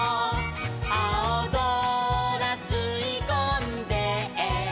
「あおぞらすいこんで」